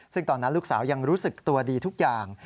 ซึ่งตอนนั้นลูกสาวยังรู้สึกตัวดีทุกอย่าง